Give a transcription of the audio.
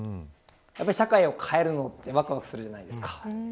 社会を変えることはわくわくするじゃないですか。